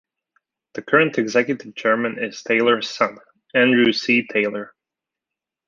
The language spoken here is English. The current executive chairman is Taylor's son, Andrew C. Taylor.